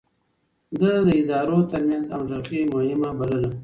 ده د ادارو ترمنځ همغږي مهمه بلله.